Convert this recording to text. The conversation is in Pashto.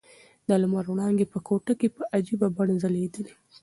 د لمر وړانګې په کوټه کې په عجیبه بڼه ځلېدې.